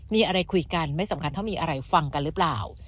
มีอะไรคุยกันไม่สำคัญเท่ามีอะไรฟังกันหรือเปล่า